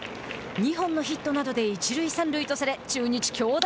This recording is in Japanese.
２本のヒットなどで一塁三塁とされ中日京田。